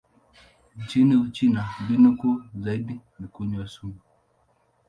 Nchini Uchina, mbinu kuu zaidi ni kunywa sumu.